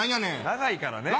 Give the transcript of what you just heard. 長いからね。